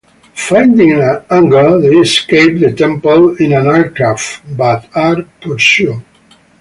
Finding a hangar they escape the temple in an aircraft but are pursued.